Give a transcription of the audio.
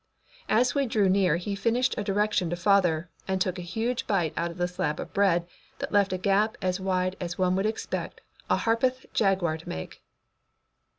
As we drew near he finished a direction to father and took a huge bite out of the slab of bread that left a gap as wide as one would expect a Harpeth jaguar to make.